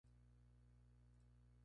Es una especie demersal.